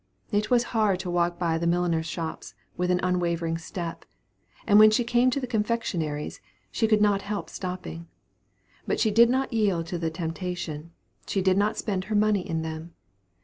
It was hard to walk by the milliners' shops with an unwavering step; and when she came to the confectionaries, she could not help stopping. But she did not yield to the temptation; she did not spend her money in them.